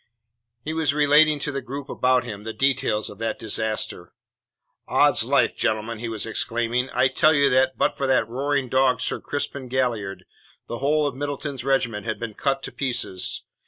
He was relating to the group about him the details of that disaster. "Oddslife, gentlemen," he was exclaiming, "I tell you that, but for that roaring dog, Sir Crispin Galliard, the whole of Middleton's regiment had been cut to pieces.